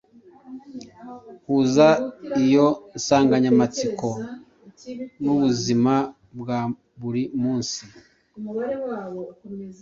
Huza iyo nsanganyamatsiko n’ubuzima bwa buri munsi.